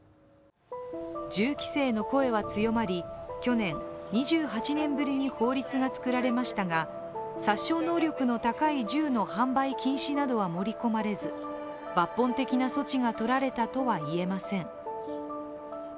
銃規制の声は強まり、去年、２８年ぶりに法律が作られましたが、殺傷能力の高い銃の販売禁止などは盛り込まれず抜本的な措置が取られたとはいえません。